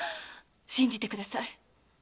信じてください。